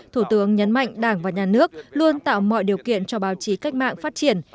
thủ tướng nhấn mạnh đảng và nhà nước luôn tạo mọi điều kiện cho báo chí cách mạng phát triển